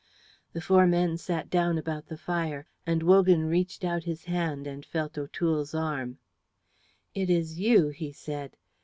The four men sat down about the fire, and Wogan reached out his hand and felt O'Toole's arm. "It is you," he said.